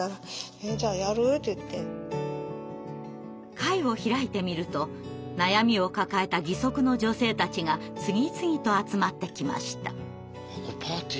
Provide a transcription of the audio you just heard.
会を開いてみると悩みを抱えた義足の女性たちが次々と集まってきました。